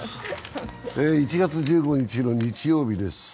１月１５日の日曜日です。